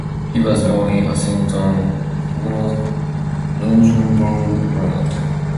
He was born in Ashington, Northumberland.